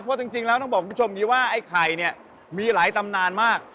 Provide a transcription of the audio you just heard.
เพราะจริงแล้วต้องบอกคุณผู้ชมนี้ว่าไอ้ไข่เนี่ยมีหลายตำนานมาก